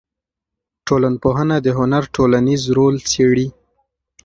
ټولنپوهنه د هنر ټولنیز رول څېړي.